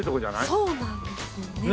そうなんですよね。